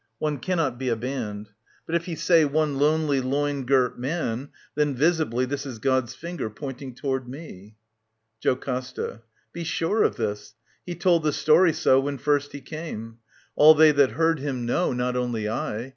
One cannot be a band. But if he say One lonely loin girt man, then visibly This is God's finger pointing toward me. JoCASTA. Be sure of this. He told the story so When first he came. All they that heard him know, 48 VT. 850 870 OEDIPUS, KING OF THEBES Not only I.